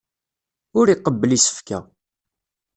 Ur iqebbel isefka.